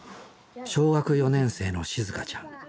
小学４年生のしずかちゃん。